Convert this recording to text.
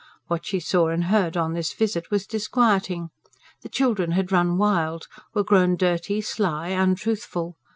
What she saw and heard on this visit was disquieting. The children had run wild, were grown dirty, sly, untruthful.